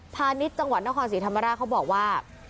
ณิชย์จังหวัดนครศรีธรรมราชเขาบอกว่า